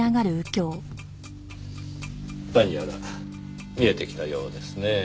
何やら見えてきたようですねぇ。